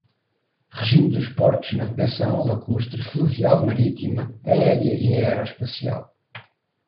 regime dos portos, navegação lacustre, fluvial, marítima, aérea e aeroespacial;